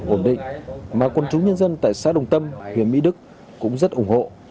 ổn định mà quân chúng nhân dân tại xã đồng tâm huyện mỹ đức cũng rất ủng hộ